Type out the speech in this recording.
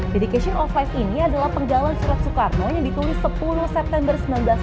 dedication of life ini adalah penggalan surat soekarno yang ditulis sepuluh september seribu sembilan ratus empat puluh